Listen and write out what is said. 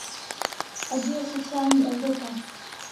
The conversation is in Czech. Ať žije sociální Evropa!